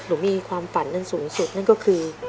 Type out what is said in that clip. มีความฝันอันสูงสุดนั่นก็คือ